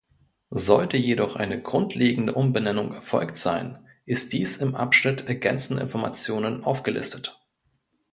Sollte jedoch eine grundlegende Umbenennung erfolgt sein, ist dies im Abschnitt Ergänzende Informationen aufgelistet.